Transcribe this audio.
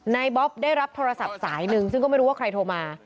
บ๊อบได้รับโทรศัพท์สายหนึ่งซึ่งก็ไม่รู้ว่าใครโทรมา